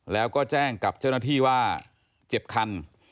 แล้วก็แจ้งกับเจ้าหน้าที่ว่าเจ็บคัน